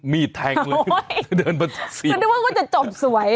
มีดแทงเลยเดินมาสิวก็นึกว่าก็จะจบสวย